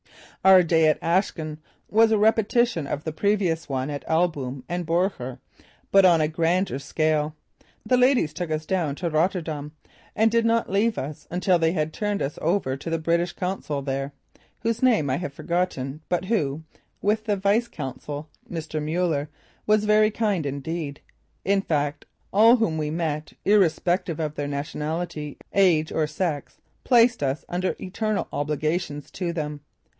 Our day at Aaschen was a repetition of the previous one at Alboom and Borger, but on a grander scale. The ladies took us down to Rotterdam and did not leave us until they had turned us over to the British consul there, whose name I have forgotten but who, with the vice consul, Mr. Mueller, was very kind indeed; in fact, all whom we met, irrespective of their nationality, age or sex placed us under eternal obligations to them.